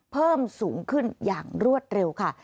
เพิ่มสูงขึ้นอย่างรวดเร็วค่ะ